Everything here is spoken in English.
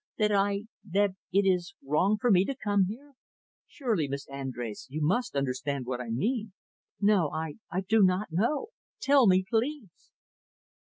That I that it is wrong for me to come here?" "Surely, Miss Andrés, you must understand what I mean." "No, I I do not know. Tell me, please."